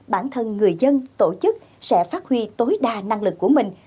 bản thân người dân tổ chức sẽ phát huy tối đa năng lực của mình